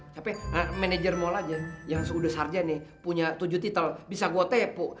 tapi manajer mall aja yang seude sarja nih punya tujuh titel bisa gue tepo